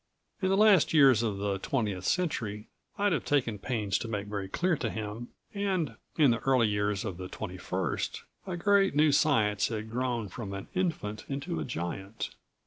In the last years of the twentieth century, I'd have taken pains to make very clear to him, and in the early years of the twenty first, a great new science had grown from an infant into a giant.